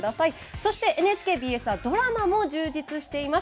そして、ＮＨＫＢＳではドラマも充実しています。